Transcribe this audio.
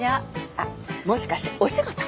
あっもしかしてお仕事？